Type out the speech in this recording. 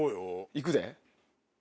行くで？